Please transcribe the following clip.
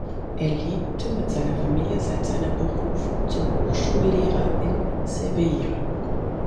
Er lebte mit seiner Familie seit seiner Berufung zum Hochschullehrer in Sevilla.